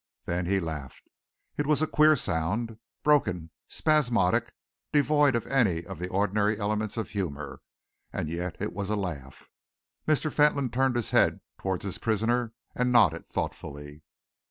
Then he laughed. It was a queer sound broken, spasmodic, devoid of any of the ordinary elements of humor and yet it was a laugh. Mr. Fentolin turned his head towards his prisoner and nodded thoughtfully.